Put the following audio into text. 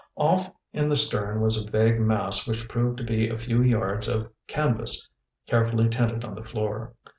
Off in the stern was a vague mass which proved to be a few yards of canvas carefully tented on the floor.